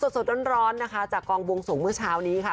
สดร้อนนะคะจากกองบวงสวงเมื่อเช้านี้ค่ะ